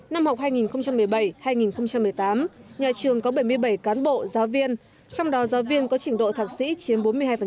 năm học hai nghìn một mươi bảy hai nghìn một mươi tám nhà trường có bảy mươi bảy cán bộ giáo viên trong đó giáo viên có trình độ thạc sĩ chiếm bốn mươi hai